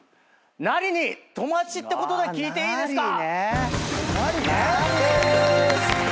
ナリに友達ってことで聞いていいですか？